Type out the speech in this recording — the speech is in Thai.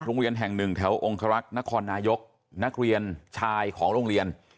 โรงเรียนแห่งหนึ่งแถวองครักษ์นครนายกนักเรียนชายของโรงเรียน